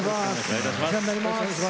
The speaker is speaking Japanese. お世話になります。